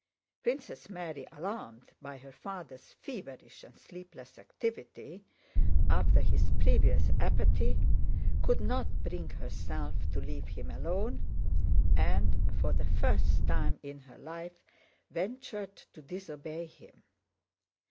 Princess Mary, alarmed by her father's feverish and sleepless activity after his previous apathy, could not bring herself to leave him alone and for the first time in her life ventured to disobey him.